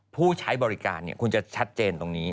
ผู้ใช้บริการคุณจะชัดเจนตรงนี้